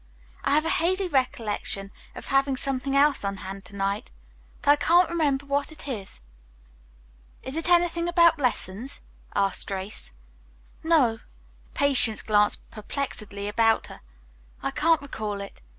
I have a hazy recollection of having something else on hand to night, but I can't remember what it is." "Is it anything about lessons?" asked Grace. "No." Patience glanced perplexedly about her. "I can't recall it.